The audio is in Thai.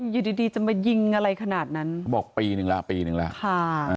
อยู่ดีดีจะมายิงอะไรขนาดนั้นบอกปีนึงแล้วปีนึงแล้วค่ะ